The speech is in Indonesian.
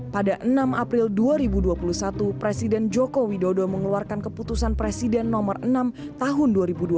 pada enam april dua ribu dua puluh satu presiden joko widodo mengeluarkan keputusan presiden nomor enam tahun dua ribu dua puluh